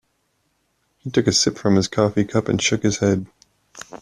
He took a sip from his coffee cup and shook his head.